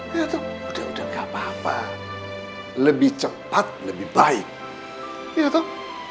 ya tuh udah udah gak apa apa lebih cepat lebih baik ya toh